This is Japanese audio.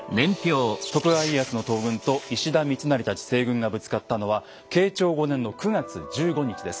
徳川家康の東軍と石田三成たち西軍がぶつかったのは慶長５年の９月１５日です。